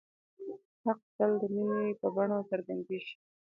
حق تل د مینې په بڼه څرګندېږي.